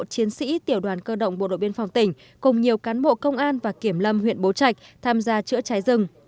chiến sĩ tiểu đoàn cơ động bộ đội biên phòng tỉnh cùng nhiều cán bộ công an và kiểm lâm huyện bố trạch tham gia chữa cháy rừng